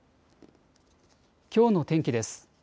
きょうの天気です。